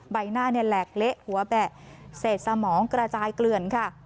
ใบหน้าเนี่ยแหลกเละหัวแบะเศษสมองกระจายเกลื่อนค่ะ